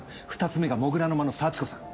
２つ目が「土竜の間の幸子さん」。